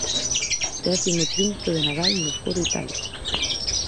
Décimo triunfo de Nadal no foro Itálico.